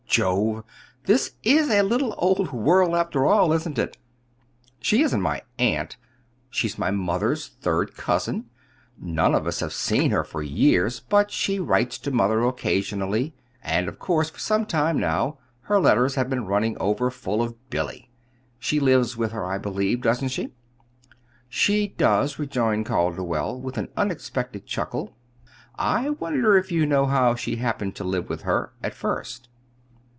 Jove! This is a little old world, after all; isn't it?" "She isn't my aunt. She's my mother's third cousin. None of us have seen her for years, but she writes to mother occasionally; and, of course, for some time now, her letters have been running over full of Billy. She lives with her, I believe; doesn't she?" "She does," rejoined Calderwell, with an unexpected chuckle. "I wonder if you know how she happened to live with her, at first."